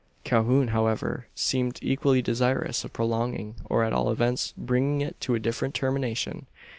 Calhoun, however, seemed equally desirous of prolonging, or, at all events, bringing it to a different termination.